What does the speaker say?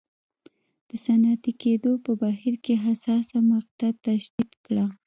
د صنعتي کېدو په بهیر کې حساسه مقطعه تشدید کړه.